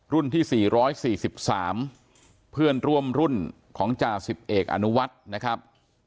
รุ่นที่สี่ร้อยสี่สิบสามเพื่อนร่วมรุ่นของจ่าสิบเอกอนุวัฒน์นะครับ